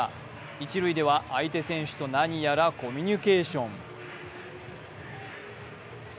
一塁では相手選手と何やらコミュニケーション。